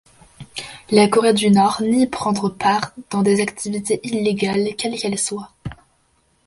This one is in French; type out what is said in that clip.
La Corée du Nord nie prendre part dans des activités illégales quelles qu'elles soient.